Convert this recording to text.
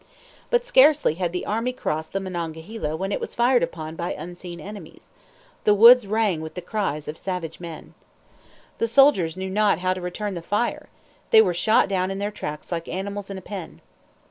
But scarcely had the army crossed the Monongahela when it was fired upon by unseen enemies. The woods rang with the cries of savage men. The soldiers knew not how to return the fire. They were shot down in their tracks like animals in a pen.